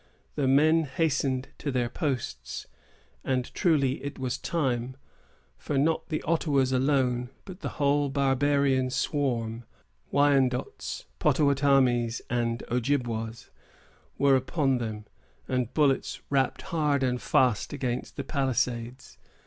The men hastened to their posts. And truly it was time; for not the Ottawas alone, but the whole barbarian swarm——Wyandots, Pottawattamies, and Ojibwas——were upon them, and bullets rapped hard and fast against the palisades.